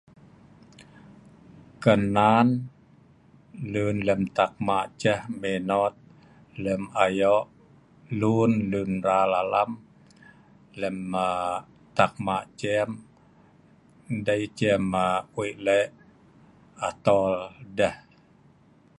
Kan nan lun lem tak mah' ceh minot lem ayo lun lunmral alam, lem aa tak ma cem, dei cem aa wei' leh' atol deh.